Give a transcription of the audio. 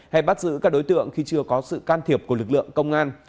hay bắt giữ các đối tượng khi chưa có sự can thiệp của lực lượng công an